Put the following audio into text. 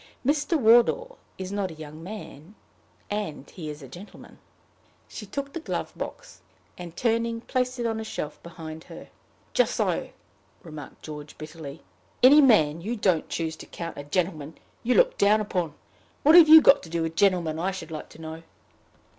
Mr. Wardour is not a young man; and he is a gentleman." She took the glove box, and turning placed it on a shelf behind her. "Just so!" remarked George, bitterly. "Any man you don't choose to count a gentleman, you look down upon! What have you got to do with gentlemen, I should like to know?"